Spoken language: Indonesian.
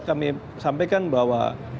kami sampaikan bahwa